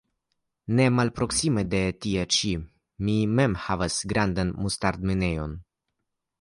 Ne malproksime de tie ĉi mi mem havas grandan mustardminejon.